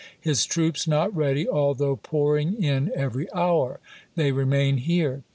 His troops not ready, although pouring in every hour. They remain here.